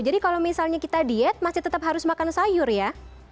jadi kalau misalnya kita diet masih tetap harus makan sayur ya